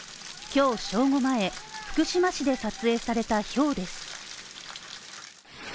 今日正午前、福島市で撮影されたひょうです。